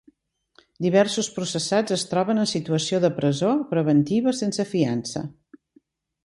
Diversos processats es troben en situació de presó preventiva sense fiança.